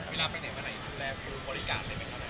เวลาไปไหนแรกคือบริการเลยไหมคะ